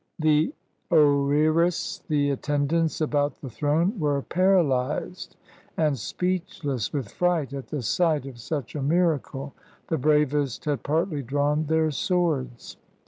The oeris and attendants about the throne were paralyzed and speechless with fright at the sight of such a miracle. The bravest had partly drawn their swords.